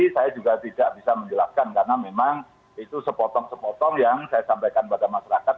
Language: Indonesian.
saya juga tidak bisa menjelaskan karena memang itu sepotong sepotong yang saya sampaikan pada masyarakat